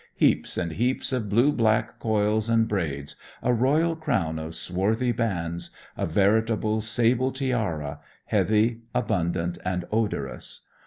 Heaps and heaps of blue black coils and braids, a royal crown of swarthy bands, a veritable sable tiara, heavy, abundant and odorous.